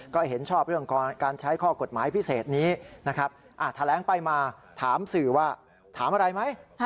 ก็เห็นชอบเรื่องการใช้ข้อกฎหมายพิเศษนี้นะครับแถลงไปมาถามสื่อว่าถามอะไรไหม